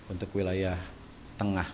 untuk wilayah jalan tengah